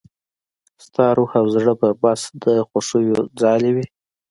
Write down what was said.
ستا روح او زړه به بس د خوښيو ځالې وي.